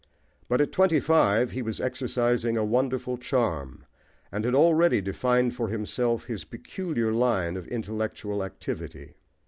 But at twenty five he was exercising a wonderful charm, and had already defined for himself his peculiar line of intellectual activity.